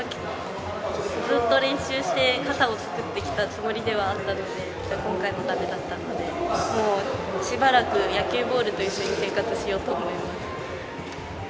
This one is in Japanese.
ずっと練習して、肩を作ってきたつもりではあったので、今回もだめだったので、もうしばらく野球ボールと一緒に生活しようと思います。